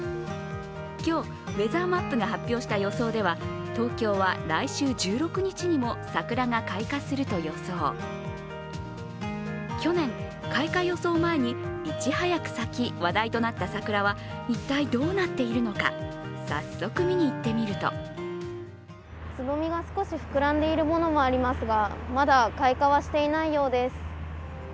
今日、ウェザーマップが発表した予想では去年、開花予想前にいち早く咲き、話題となった桜は一体どうなっているのか早速、見にいってみるとつぼみが少し膨らんでいるものもありますが、まだ開花はしていないようです。